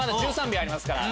１３秒ありますから。